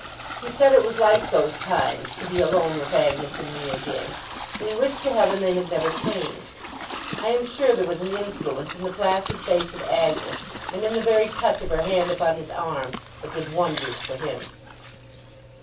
He said it was like those times, to be alone with Agnes and me again; and he wished to Heaven they had never changed. I am sure there was an influence in the placid face of Agnes, and in the very touch of her hand upon his arm, that did wonders for him.